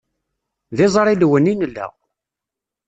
D iẓrilwen i nella.